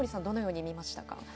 どのように見ましたか？